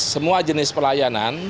semua jenis pelayanan